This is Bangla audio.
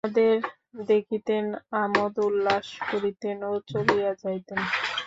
আমাদের দেখিতেন, আমােদ উল্লাস করিতেন ও চলিয়া যাইতেন।